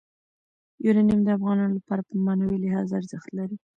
یورانیم د افغانانو لپاره په معنوي لحاظ ارزښت لري.